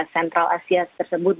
central asia tersebut